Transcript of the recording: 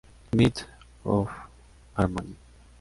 Myths of harmony.